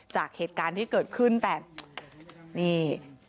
จากเหตุการณ์ที่เกิดขึ้นแต่นี่